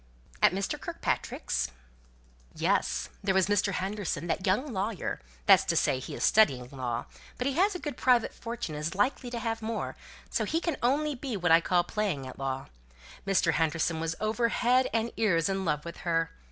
"At Mr. Kirkpatrick's?" "Yes. There was Mr. Henderson, that young lawyer; that's to say, he is studying law, but he has a good private fortune and is likely to have more, so he can only be what I call playing at law. Mr. Henderson was over head and ears in love with her.